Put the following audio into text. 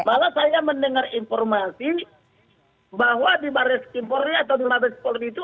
bahwa saya mendengar informasi bahwa di maraiskim polri atau di mabes polri itu